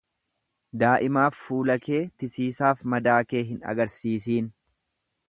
Daa'imaaf fuula kee tisiisaaf madaa kee hin agarsisiin.